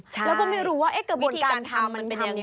แล้วก็ไม่รู้ว่ากระบวนการทำมันเป็นยังไง